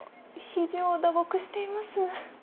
ひじを打撲しています。